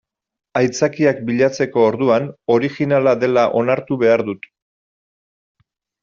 Aitzakiak bilatzeko orduan originala dela onartu behar dut.